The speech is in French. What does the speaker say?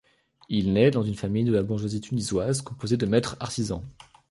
Il naît dans une famille de la bourgeoisie tunisoise composée de maîtres-artisans.